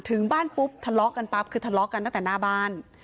ถึงบ้านปุ๊บทะเลาะกันปั๊บคือทะเลาะกันตั้งแต่หน้าบ้าน